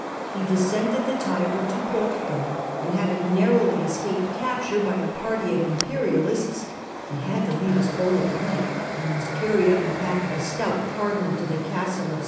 He descended the Tiber to Porto, and, having narrowly escaped capture by a party of imperialists (he had to leave his boat at night, and was carried on the back of « stout cardinal to the Castle of S.